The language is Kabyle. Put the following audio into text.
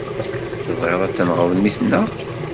Tebɣiḍ a tenɣeḍ mmi-tneɣ?